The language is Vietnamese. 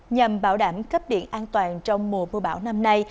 nhằm bảo đảm cấp điện an toàn trong mùa mưa bão năm nay